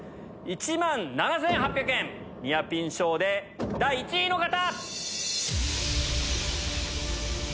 １万７８００円ニアピン賞で第１位の方！